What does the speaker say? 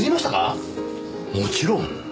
もちろん。